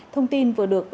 thông tin vừa được